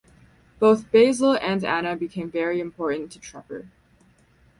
Both Basil and Anna became very important to Trepper.